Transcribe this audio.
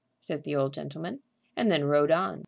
said the old gentleman, and then rode on.